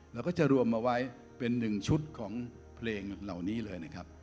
เราก็จะรวมมาไว้เป็นหนึ่งชุดของเพลงเหล่านี้เลยนะครับ